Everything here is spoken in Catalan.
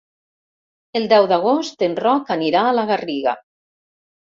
El deu d'agost en Roc anirà a la Garriga.